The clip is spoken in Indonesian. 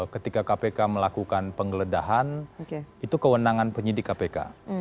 ketika kpk melakukan penggeledahan itu kewenangan penyidik kpk